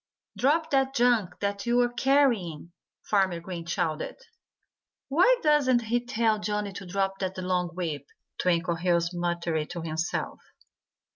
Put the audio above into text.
"Drop that junk that you're carrying!" Farmer Green shouted. "Why doesn't he tell Johnnie to drop that long whip?" Twinkleheels muttered to himself.